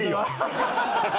ハハハハ！